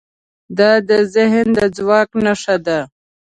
دا د ذهن د ځواک نښه ده.